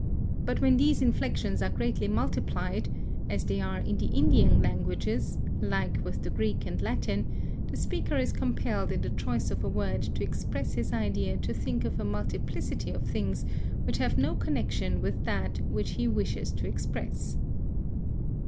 But when these inflections are greatly multiplied, as they are in the Indian languages, alike with the Greek and Latin, the speaker is compelled in the choice of a word to express his idea to think of a multiplicity of things which have no connection with that which he wishes to express.